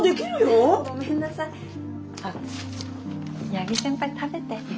八木先輩食べて。